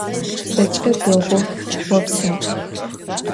Zeç'e değu, vopseu.